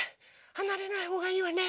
はなれないほうがいいわね。